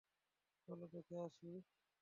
চলো, দেখে আসি!